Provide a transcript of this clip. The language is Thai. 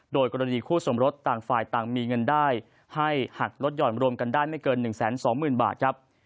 โดยกรณีคู่สมรสต่างฝ่ายต่างมีเงินได้ให้หักลดหย่อนรวมกันได้ไม่เกิน๑๒๐๐๐บาทครับ